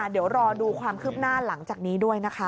เดี๋ยวรอดูความคืบหน้าหลังจากนี้ด้วยนะคะ